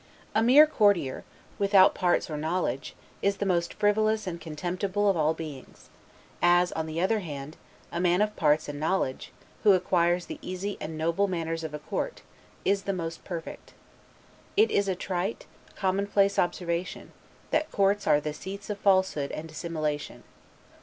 A mere courtier, without parts or knowledge, is the most frivolous and contemptible of all beings; as, on the other hand, a man of parts and knowledge, who acquires the easy and noble manners of a court, is the most perfect. It is a trite, commonplace observation, that courts are the seats of falsehood and dissimulation.